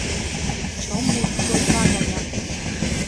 Чомный путылка гаяк.